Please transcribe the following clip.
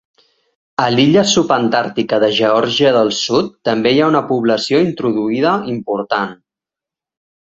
A l'illa subantàrtica de Geòrgia del Sud també hi ha una població introduïda important.